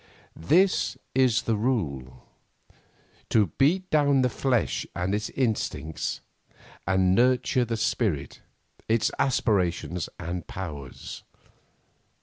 This is the rule: to beat down the flesh and its instincts and nurture the spirit, its aspirations and powers.